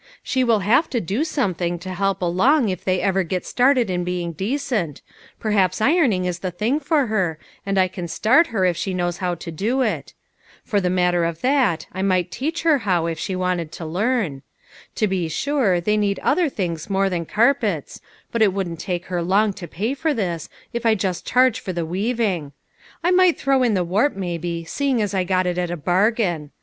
She will have to do something to help along if they ever get started in being decent ; perhaps ironing is the thing for her, and I can start her if she knows how to do it. For the matter of that, I might HOW IT SUCCEEDED. 109 teach her how, if she wanted to learn. To be sure they need other things more than carpets, but it wouldn't take her long to pay for this, if I just charge for the weaving. I might throw in the warp, maybe, seeing I got it at a bargain.